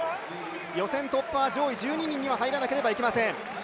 予選突破は上位１２人に入らなければなりません。